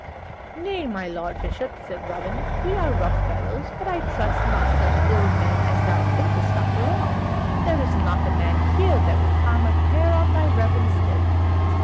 "Nay, my Lord Bishop," said Robin, "we are rough fellows, but I trust not such ill men as thou thinkest, after all. There is not a man here that would harm a hair of thy reverence's head.